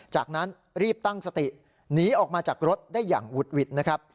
จากนั้นรีบตั้งสติหนีออกมาจากรถได้อย่างวุดหวิดนะครับ